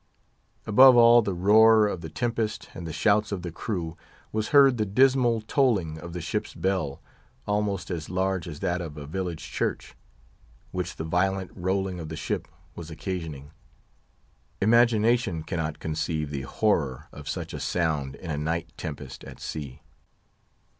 Above all the roar of the tempest and the shouts of the crew, was heard the dismal tolling of the ship's bell—almost as large as that of a village church—which the violent rolling of the ship was occasioning. Imagination cannot conceive the horror of such a sound in a night tempest at sea.